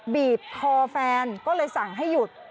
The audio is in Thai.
บีบคอแฟนก็เลยสั่งให้หยุด